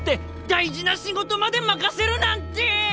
大事な仕事まで任せるなんて！